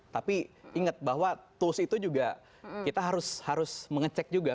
tapi ingat bahwa tools itu juga kita harus mengecek juga